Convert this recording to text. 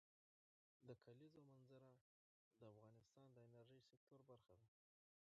د کلیزو منظره د افغانستان د انرژۍ سکتور برخه ده.